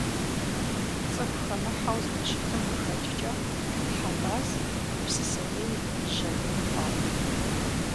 ЦӀыхухэмыхьэу зэрыщытым къыхэкӀкӀэ, Хьэбас гупсысэрей, жьэмей хъуат.